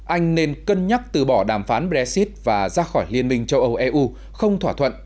anh nên cân nhắc từ bỏ đàm phán brexit và ra khỏi liên minh châu âu eu không thỏa thuận